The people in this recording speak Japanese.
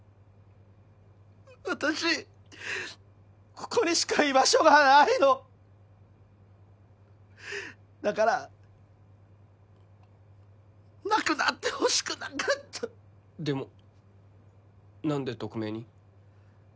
ここにしか居場所がないのだからなくなってほしくなかったでも何で匿名に？